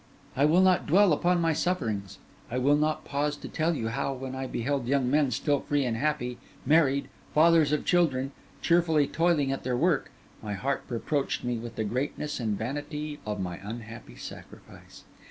'I will not dwell upon my sufferings; I will not pause to tell you how, when I beheld young men still free and happy, married, fathers of children, cheerfully toiling at their work, my heart reproached me with the greatness and vanity of my unhappy sacrifice.